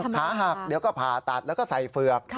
ขาหักเดี๋ยวก็ผ่าตัดแล้วก็ใส่เฝือก